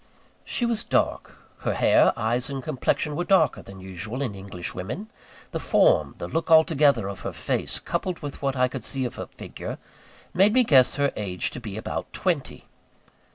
She was dark. Her hair, eyes, and complexion were darker than usual in English women. The form, the look altogether, of her face, coupled with what I could see of her figure, made me guess her age to be about twenty.